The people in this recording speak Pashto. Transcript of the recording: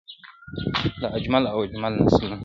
• دا اجمل اجمل نسلونه -